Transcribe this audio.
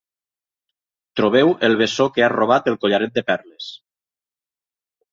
Trobeu el bessó que ha robat el collaret de perles.